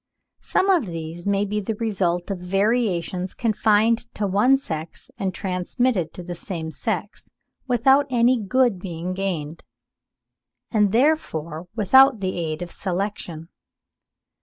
Some of these may be the result of variations confined to one sex and transmitted to the same sex, without any good being gained, and therefore without the aid of selection.